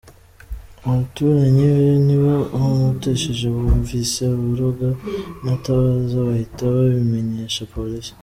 Abaturanyi be ni bo bamumutesheje bumvise aboroga anatabaza, bahita babimenyesha Polisi.